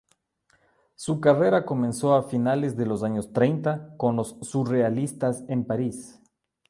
Su carrera comenzó a finales de los años treinta con los surrealistas en París.